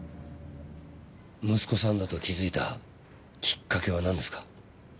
息子さんだと気づいたきっかけはなんですか？